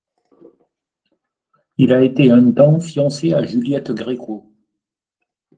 Il a été un temps fiancé à Juliette Gréco.